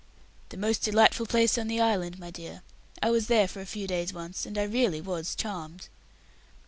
"The most delightful place in the island, my dear. I was there for a few days once, and I really was charmed."